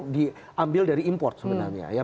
diambil dari import sebenarnya